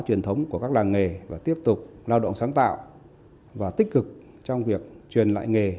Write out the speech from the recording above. truyền thống của các làng nghề và tiếp tục lao động sáng tạo và tích cực trong việc truyền lại nghề